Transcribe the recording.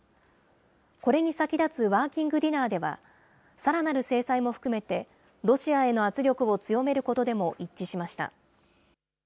これに先立つワーキングディナーでは、さらなる制裁も含めて、ロシアへの圧力を強めることでも一致しました。